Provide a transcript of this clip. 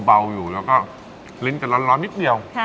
เบาอยู่แล้วก็ลิ้นจะร้อนนิดเดียว